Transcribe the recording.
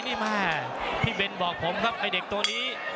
นี่แม่พี่เบนบอกผมครับไอ้เด็กตัวนี้